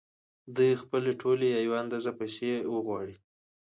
دوی خپلې ټولې یا یوه اندازه پیسې وغواړي